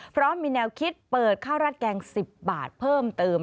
พร้อมมีแนวคิดเปิดข้าวรัดแกง๑๐บาทเพิ่มเติม